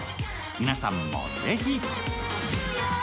皆さんもぜひ。